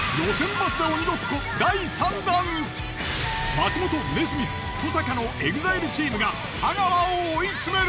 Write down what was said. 松本ネスミス登坂のＥＸＩＬＥチームが太川を追い詰める！